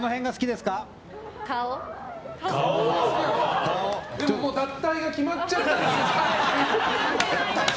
でも脱退が決まっちゃったんですよね。